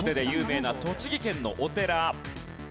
有名な栃木県のお寺。